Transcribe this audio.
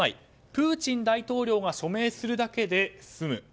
プーチン大統領が署名するだけで済む。